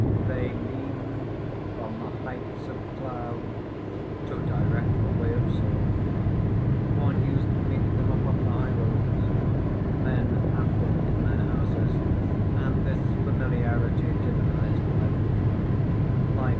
"They leaned from the heights of cloud to direct the way of swords; one used to meet them upon the high roads; men had them in their houses and this familiarity divinized life.